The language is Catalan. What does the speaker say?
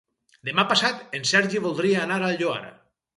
Demà passat en Sergi voldria anar al Lloar.